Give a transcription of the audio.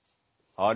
あれ？